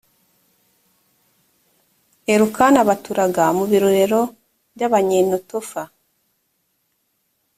elukana baturaga mu birorero by abanyanetofa